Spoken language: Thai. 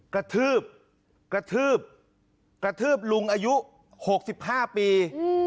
กระทืบกระทืบกระทืบลุงอายุหกสิบห้าปีอืม